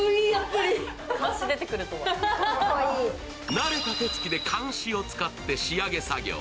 なれた手つきでかんしを使って仕上げ作業。